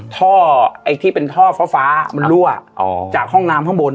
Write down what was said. ท่อไอ้ที่เป็นท่อฟ้ามันรั่วจากห้องน้ำข้างบน